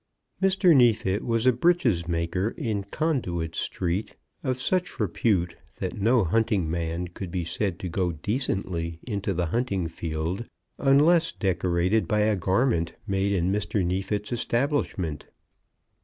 Mr. Neefit was a breeches maker in Conduit Street, of such repute that no hunting man could be said to go decently into the hunting field unless decorated by a garment made in Mr. Neefit's establishment.